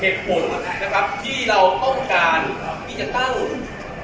เหตุผลนะครับที่เราต้องการที่จะตั้ง